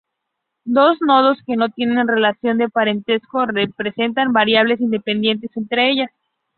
Dos nodos que no tienen relación de parentesco representan variables independientes entre ellas.